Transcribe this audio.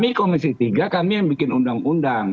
di komisi tiga kami yang bikin undang undang